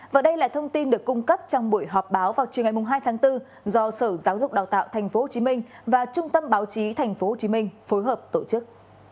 và đây là thông tin được cung cấp trong buổi họp báo vào chiều ngày hai tháng bốn do sở giáo dục đào tạo tp hcm và trung tâm báo chí tp hcm phối hợp tổ chức